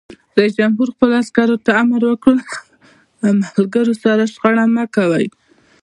رئیس جمهور خپلو عسکرو ته امر وکړ؛ له ملګرو سره شخړه مه کوئ!